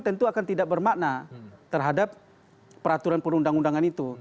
tentu akan tidak bermakna terhadap peraturan perundang undangan itu